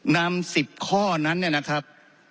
นำ๑๐ข้อนั้นเนี่ยนะครับ